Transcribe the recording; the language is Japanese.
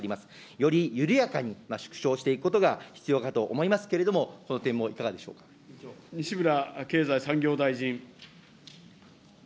より緩やかに縮小していくことが必要かと思いますけれども、この西村経済産業大臣。